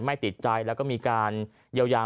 ไม่ติดใจแล้วก็มีการเยียวยา